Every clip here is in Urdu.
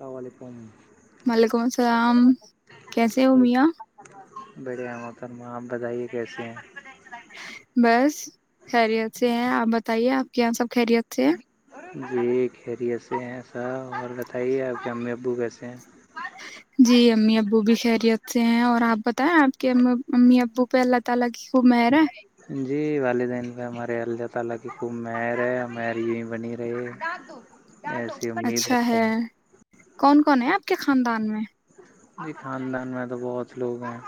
السلام وعلیکم السلام کیسے ہو میاں بڑیا محترما آپ بتائیے کیسے ہیں بس خیریت سے ہیں آپ بتائیے آپ کے یہاں سب خرییات سے جی خیریت سے ہیں ساح اور بتائیے آپ کے امی ابو کیسے ہیں [unintelligible] جی والدین پ ہمارے اللہ تعالی کی خوب مہر ہے مر ی ہی بنی رہی ایسے امید اچھا رکھتے ہے ہیں کون کون ہے آپ کے خاندان میں جی خاندان میں تو بہت لوگ ہیں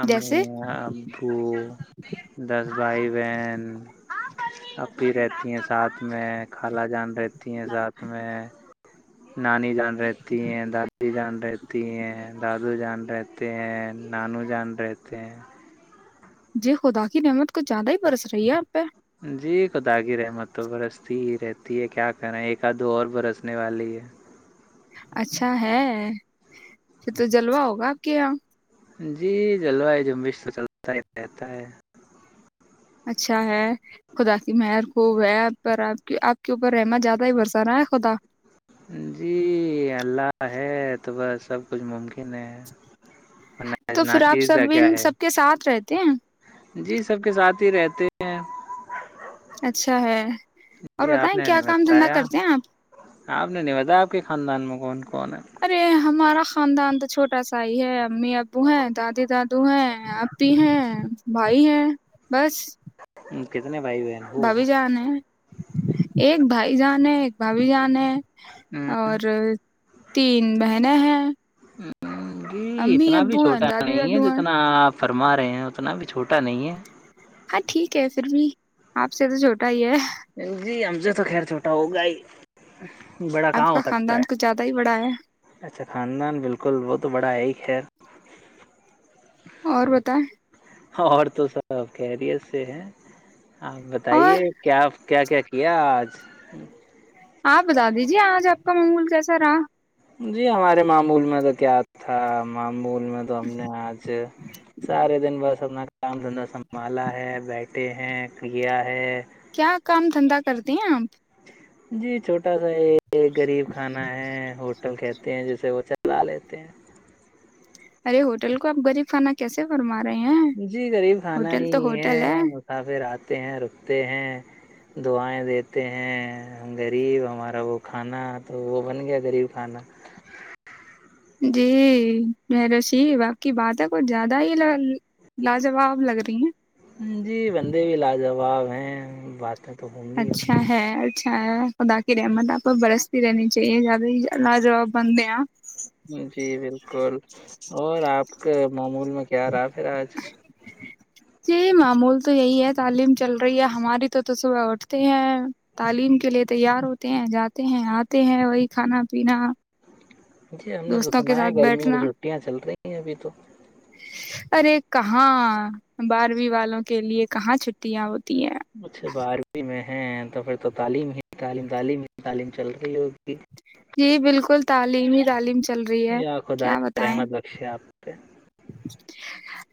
امی جیسے ابو دادی بھائی بہن اب بھی رہتی ہیں ساتھ میں خالا جان رہتی تی ہیں سذاتھ میں [inaudible] نانی جان رہتی ہیں دادی جان رہتی تی ہیں دادو جان رہتے ہیں نانو جان رہتے ہیں جی خدا کی نعمت کو زیادہ ہی برس رہی ہے آپ پہ جی خدا کی رحمت تو برستی ہی رہتی ہے کیا کریں ایک آدھ دو اور برسنے والی ہے اچھا ہے پھر تو جلوا ہوگا آپ کے یہاں جی جلو جمبش تو چلتا ہی رہتا ہے اچھا ہے خدا کی مہر خوب ہے پر آپ کی آپ کے اوپر رہحم زیادہ ہی برسا رہا ہے خدا جی اللہ حید تو بس سب کچھ ممکن تو پھر آپ ناچز سب کا کیا ان ہے سب کے ساتھ رہتے ہیں جی سب کے ساتھ رہتے ہیں اچھا ہے اور جی آپ بتائیں نے کیا نہیں کام دھندا بتایا کرتے ہیں آپ آپ نے نہیں بتایا آپ کے خاندان میں کون کون ہے ارے ہمارا خاندان تو چھوٹا سا ہی ہے امی ابو ہیں دادی دادو ہیں ای ہیں بھائی ہیں بس اوکے بب جانان ایک بھائی جان ہے ایک بھبھی جان ہے اور تین بہن ہن ہ [inaudible] جی اتنا بھی ہیں چھوٹا دادی نہیں ہے دادو ہیں جتنا آپ فرما رہے ہیں اتنا بھی چھوٹا نہیں ہے ہاں ٹھیک ہے پھر بھی آپ سے تو چھوٹا ہی ہے جی ہم سے تو خیر چھوٹا ہوگا ہی بڑا آپ کہاں کا ہو سکتا خاندان ہے کچھ زیادہ ہی بڑا ہے اچھا خاندان بالکل وہ تو بڑا ہے ہی خیر اور بتایئے اور تو سب خریت سے ہیں آپ اور بتائیے کیا کیا کیا کیہ آج آپ بتا دیجیے آج آپکا موڈ کیسا رہا جی ہمارے معمول میںدد کیا تھا معمول د تو ہم نے آج سارے دن بس اپنا [unintelligible] دھندا سنبھالا ہے بیٹھ کتے ہیں کڑیا ہے کیا کام دھندا کرتی ہیں آپ جی چھوٹا سا یہ یہ غریب کھانا ہے ہوٹل کہتے تے ہیں جیسے وہ چلا لیتے ہیں ارے ہوٹل کو آپ غریب کھانا کیسے فرما رہے ہیں جی غریب کھانا ہوٹل ہی تو ہے ہوٹل مسافرات ے ہیں رکتے ہیں دعائیں دیتے ہیں ہم غریب ہمارا وہ کھانا تو وہ بن گیا غریب کھانا جی م رشیید آپ کی باتیں کچھ زیادہ ہی لاجواب لگ رہی ہیں اب ہیں بات اچھا ہے خدا کی رحمت آپ پر برستی رہنی چاہیے زیادہ ہی لاجواب بندے ہیں آپ بلکل اور آپکی معمول میں کیا رات ہے آج جی معمول تو یہی ہے تعلیم چل رہی ہے ہماری تو تو صبح اٹھتے ہیں تعلیم کے لیے تیار ہوتے ہیں جاتے ہیں آتے ہیں وہی کھانا پینا جی ہم نے تو دوستوں کے سنا ساتھ ہے گرمیوں کی بیٹھنا چھٹیاں چل رہی ہیں ابھی تو ارے کہاں بارہویں والوں کے لیے کہاں چھٹیاں ہو اچھا بارویں میں ہیں تو پھر تو تعلیم ہی تعلیم تعلیم ہی تعلیم چل رہی ہےگی جی بالکل تعلیم ہی تعلیم چل رہی ہے یا خدائے کیا بتائیں رحمد بخشے آپ [inaudible]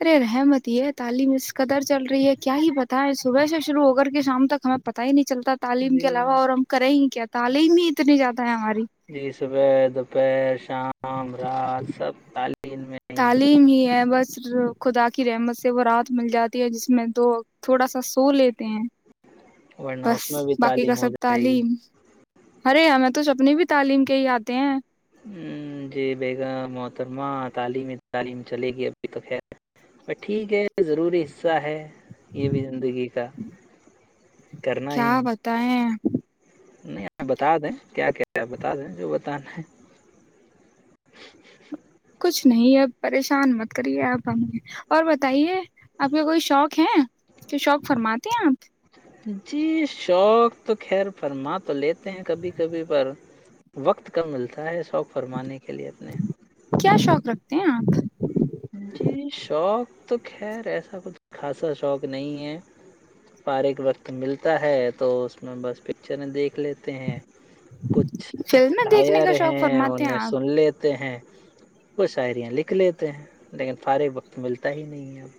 ارے رحمت یہ ہے تعلیم اس قدر چل رہی ہے کیا ہی پتہ ہے صبح سے شروع ہو کر کے شام تک ہمیں پتہ ہی نہیں چلتا تعلیم کے جی علاوہ اور ہم کر ہی کیا تعلیم ہی اتنی زیادہ ہے ہماری جی صبح دوپہر شام رات سب تعلیم میں ہی تعلیم ہی ہے بس خدا کی رحمت سے وہ رات مل جاتی ہے جس میں تو تھوڑا سا سو لیتے ہیں ورنہ بس اس میں بھی باقی کا تعلیم ہو سب جائے گی تعلیم ارے ہمیں تو سھ اپنی بھی تعلیم کے ہی آتے ہیں ہ جی بیگم محترمہ تعلیمی تعلیم چلے گی ابھی توک خیر ٹھیک ہے ضروری حصہ ہے یہ بھی زندگی کا کرنا ہی کیا ہے بتائیں نہیں آ بتا دیں کیا کیا بتا دیں جو بتانا ہے کچھ نہیں اب پریشان مت کریے آپ ہمیں اور بتائیے آپ کا کوئی شوق ہے تو شوق فرماتے ہیں آپ جی شوق تو خیر فرما تو لیتے ہیں کبھی کبھی پر وقت ک ملتا ہے شوق فرمانے کا کھیلی اپ نے بت آ شوق تو خیر ایسا کچھ خاصا شوق نہیں ہے بارغ وقت ملتا ہے تو اس میں بس پکچریں دیکھ لیتے ہیں کچھ فلمیں دیکھنے شار کا شوق ہیں فرماتے انہیں آپ سن لیتے ہیں وہ شاعریاں لکھ لیتے ہیں لیکن فارغ وقت ملتا ہی نہیں ہے اب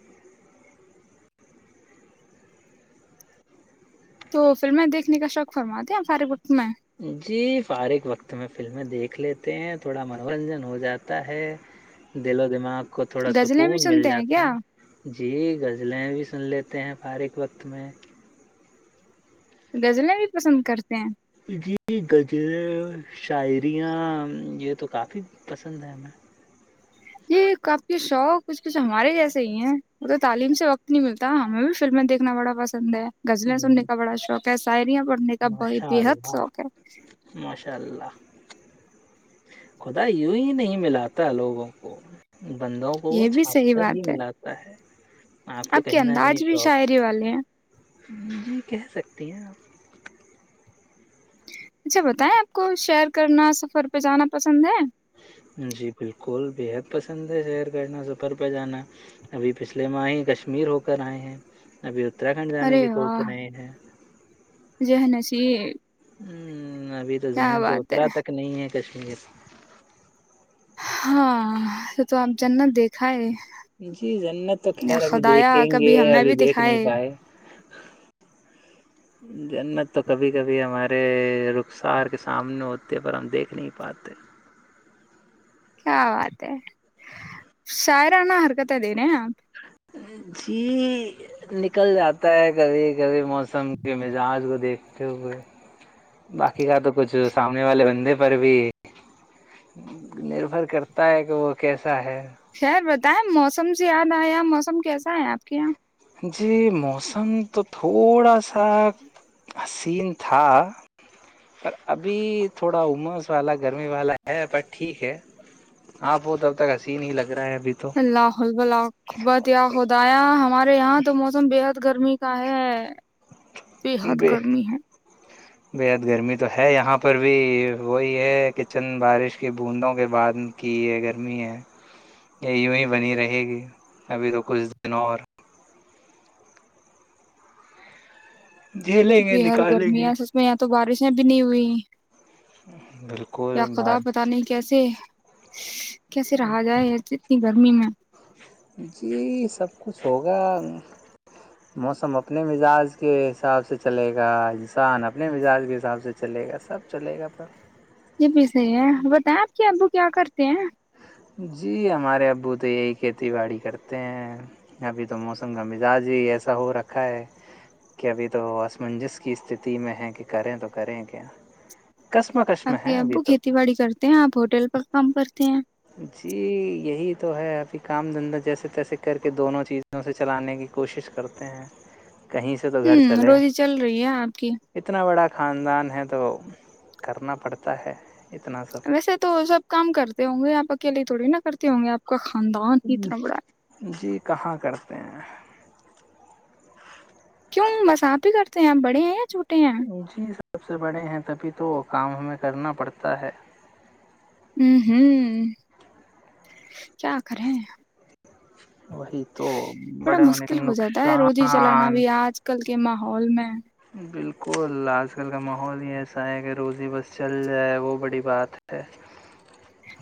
تو فھرلم میں دیکھنے کا شوق فرمات د ہیں فارے وقت میں جی فارغ وقت میں فلمیں دیکھ لیتے ہیں تھوڑا منورنجن ہو جاتا ہے دل و دماغ کو تھوڑا غزلیں بھی سکون مل سنتے ہیں جاتا کیا ہے ج جی غزلیں بھی سن لیتے ہیں فارغ وقت میں گزلیں بھی پسند کرتے ہیں جی گز شاعریاں یہ تو کافی پسند ہے ہمیں یہ کاپ کے شوق کچھ کچھ ہمارے جیسے ہی ہیں وہ تو تعلیم سے وقت نہیں ملتا ہمیں بھی فلمیں دیکھنا بڑا پسند ہے زلیں سننے ہمیں کا بڑا شوق ہے ساعرییاں پر ماشاء اللہ ماشاء اللہ خدا یوں ہی نہیں ملاتا لوگوں کو بندوں کو وہ یہ بھی چھاپ صحیح کر ہی بات ہے ملاتا ہے آپ کے کہیں نہ کہیں انداز بھی شوق شاعری والے ہیں جی کہہ سکتی ہیں آپ اچھا بتائیں آپ کو شیئر کرنا سفر پہ جانا پسند ہے جی بالکل بےحد پسند ہے شہر کرنا سفر پہ جانا ابھی پچھلے ماہ ہی کشمیر ہو کر آئے ہیں ابھی اترھنڈ جانے ارے کی سوچ واہ رہے ہیں ج ہوں ابھی تو ذہن سے ہے اترا تک نہیں ہے کشمیر ہاں تو تو آپ جنا دیکھا ہے جی جنت تو یا خیر ابھی خدایا دیکھیں گے کبھی ہمیں ابھی بھی دیکھ نہیں دکھائے پائے جنت تو کبھی کبھی ہمارے رخسار کے سامنے ہوتے ہے پر ہم دیکھ نہیں پاتے کیا بات ہے شاعرانہ حرکتیں دے رہے ہیں آپ جی نکل جاتا ہے کبھی کبھی موسم کے مزاج کو دیکھتے ہوئے باقی کا تو کچھ سامنے والے بندے پر بھی نربھر کرتا ہے کہ وہ کیسے چاہے بتیں موسم سے یاد آیا ار موسم کیسا ہے آپ کے یہاں جی موسم تو تھوڑا سا حسین تھا پر ابھی تھوڑا عمس والا گرمی والا ہے پر ٹھیک ہے آپ وہ تب تک حسین ہی لگ رہ اللہ ح ال بلہبتیا ہو دایاں ہم ہمارے یہاں تو موسم بےحد گرمی کا ہے ب بےحد گرمی ہے بےحد گرمی تو ہے یہاں اوپر بھی وہی ہے کچن بارش کی بوندوں کے بعد ان کی ہے گرمی ہے یہ یوں ہی بنی رہے گی ابھی تو کچھ دنوں اور جھیلیں گے بےحد نکالیں گرمی گے ہے سچ میں یہاں تو بارشیں بھی نہیں ہوئی یا بالکل خدا بار پتا نہیں کیسے کیسے رہا جائے گرمی میں جی سب کچھ ہوگا موسم اپنے مزاج کے حساب سے چلے گا انسان اپنے مزاج کے حساب سے چلے گا سب چلے گا پر یہ بھی صحی ہے بتائیں آپ کے ابو کیا کرتے ہیں جی ہمارے ابو تو یہی کھیتی باڑی کرتے ہیں ابھی تو موسم کا مزاج ہی ایسا ہو رکھا ہے کہ ابھی تو آسمنجس کی استھتی میں ہے کہ کریں تو کریں کیا کسم کشم آپ کے ہے ابھی ابو تو کھیتی باڑی کرتے ہیں آپ ہوٹل پر کام کرتے ہیں جی یہی تو ہے ابھی کام دھندا جیسے تیسے کر کے دونوں چیزوں سے چلانے کی کوشش کرتے ہیں کہیں سے تو گھر ہوں چلے روزی چل رہی ہے آپ کی اتنا بڑا خاندان ہے تو کرنا پڑتا ہے اتنا ویسے تو سب کام کرتے ہوں گے یہ پ کے لیے تھوڑی نہا کرتے ہوں گے آپ کا خاندان ہی اتنا بڑا ہے۔ ہ جی کہاں کرتے ہیں کیوں بس آپ ہی کرتے ہیں آپ بڑے ہیں یا چھوٹے ہیں جی سب سے بڑے ہیں تبھی تو کام ہمیں کرنا پڑتا ہے ہوں ہوں کیا کریں وہی تو بڑا بڑے ہونے کے مشکل ہو جاتا ہے روزی چلانا نقصان بھی آج کل کے ماحول میں بالکل آج کل کا ماحول ہی ایسا ہے کہ روزی بس چل جائے وہ بڑی بات ہے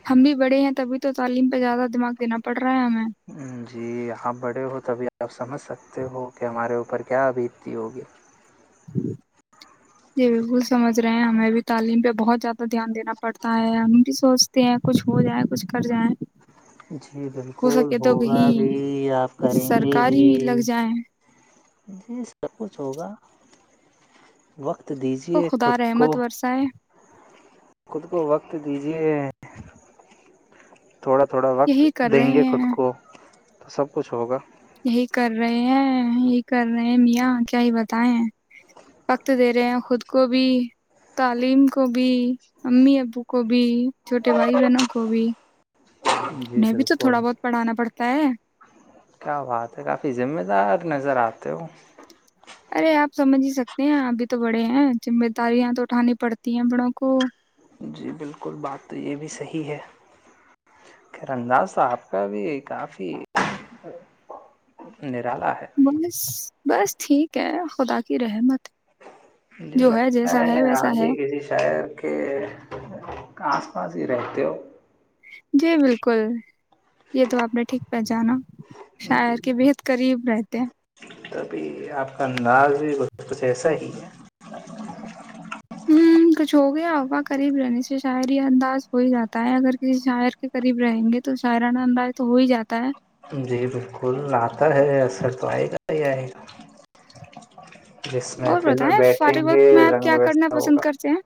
ہم بھی بڑے ہیں تبھی تو تعلیم پہ زیادہ دماغ دینا پڑ رہا ہے ہم جی آپ بڑے ہو تبھی آپ سمجھ سکتے ہو کہ ہمارےو پر کیا ابیکتی ہوگی جی بالکل سمجھ رہے ہیں ہمیں بھی تعلیم پہ بہت زیادہ دھیان دینا پڑتا ہے ہم بھی سوچتے ہیں کچھ ہو جائےیں کچھ کر جائیں جی ہو بالکل سکے تو ہوگا بھی کہیں آپ کریں گے بھی سرکاری لگ جائیں جی سب کچھ ہوگا وقت وہ دیجیے خود خداار احمد کو ورثہ ہے خود کو وقت دیجیے تھوڑا تھوڑا وقت یہی کر دیں گے رہے خود ہیں کو تو سب کچھ ہوگا یہی کر رہے ہیں یہی کر رہے ہیں میاں کیا ہی بتائے وقت دے رہے ہیں خود کو بھی تعلیم کو بھی امی ابو کو بھی چھوٹے بھائی بہنوں کو بھی جی انہیں بھی تو بالکل تھوڑا بہت پڑھانا پڑتا ہے کیا بات ہے کافی ذمہ دار نظر آتا تو وہ ارے آپ سمجھ ہی سکتے ہیں ابھی تو بڑے ہیں ذمہ داریاں تو اٹھانی پڑتی ہیں بڑوں کو جی بالکل بات تو یہ بھی صحی ہے کہیر انداز آپ کا بھی کافی نرالا ہے بس بس ٹھیک ہے خدا کی رحمت مجھے جو لگتا جیسا ہے ویسا ابھی ہے کسی شار کے آس پاس ہی رہتے ہو جی بالکل یہ تو آپ نے ٹھیک پہچانا سار کی بہد ریب رہتے توبھی آپ کا انداز بھی کچھ ایسا ہی ہے ہ کچھ ہو گیاا قریب رہنے سے شاعری ہی انداز ہو ہی جاتا ہے اگر کسی شاعر کے قریب رہیں گے تو شاعرانا انداز تو ہو ہی جاتا ہے جی بالکل آتا ہے اثر تو آئے گا [unintelligible] جس میں اور پھر میں بتائیں بیٹھیں فارغ گے وقت میں آپ رنگ کیا کرنا ویسا پسند ہوگا کرتے ہیں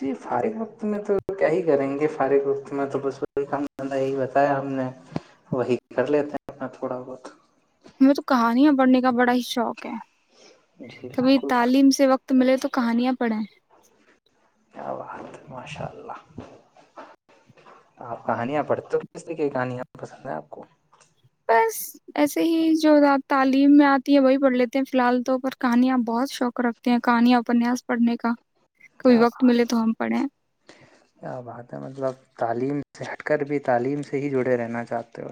جی فد ت میں تو کیا ہی کریں گے فارغ وقت میں تو ب کام یہی بتایا ہم نے وہی کر لیتے ہیں اپنا تھوڑا بہت ہمیں تو کہانیاں پڑھنے کا بڑا ہی شوق جی کبھی بالکل تعلیم سے وقت تو مے تو کہانیاں پڑھیں کیا بات ماشاء اللہ آپ کہانیاں پڑھتے ہو کس طریقے کی کہانیاں پسند ہیں آپ کو بس ایسے ہی جوات تعلیم میں آتی ہے وہی پڑھ لیتے ہیں فی الحال تو اوپر کہانیاں بہت شوق رکھتے ہیں کہانیاں اپنیاس پڑھنے کا کبھی کیا وقت بات ملے تو ہم پڑھیں کیا بات ہے مطلب تعلیم سے ہٹ کر بھی تعلیم سے ہی جڑے رہنا چاہتے ہو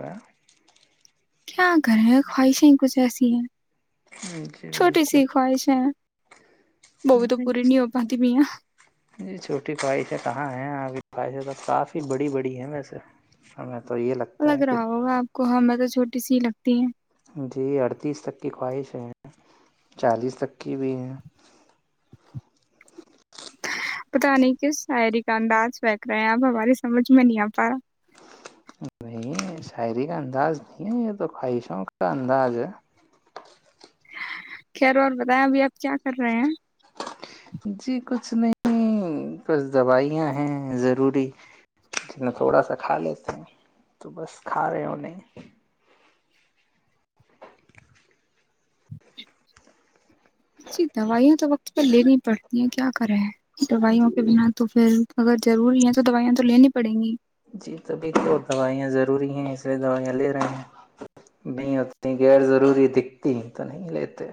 کیا کریں خواہشیں کچھ ایسی ہیں جی چھوٹی بالکل سی خوا ہش ہے جی چھوٹی بھائی تھے کہاں ہیں ابھی [inaudible] خواہش کافی بڑی بڑی ہے ویسے ہمیں تو یہ لگتا لگ ہے کہ رہا ہوگا اپ کو میں تو چھوٹی سی [inaudible] [inaudible] جی ارتیس تک کی خواہش ہے چالیس تک کی ہوئی پتہ نہیں کس شاعری کا انداز دیکھ رہے ہیں اپ ہماری سمجھ میں نہیں اتا شاعری کا انداز نہیں ہے یہ تو خواہشوں کا انداز ہے خیر اور بتائیں ابھی اپ کیا کر رہے ہیں جی کچھ نہیں بس دوائیاں ہیں ضروری تھوڑا سا کھا لیتے ہیں تو بس کھا رہے ہو نہیں جی دوائیاں تو وقت پر لینی پڑتی ہیں کیا کرے تو بھائیوں پہ جی بنا تو پھر اگر ضروری ہے تو دوائیاں تو لینی پڑیں گی جی طبھی تو دوائیاں ضروری ہیں اس لیے دوائیاں لے رہے ہیں نہیں اپنی غیر ضروری دکھتی ہے تو نہیں لیتے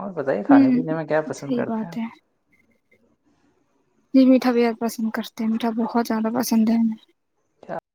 اور بتائیں کھانے ہوں پینے میں کیا پسند صحیح کرتے ہیں [inaudible] میٹھابیہد پسند کرتے ہیے میٹھا بہت زیادہ پسند ہے [inaudible]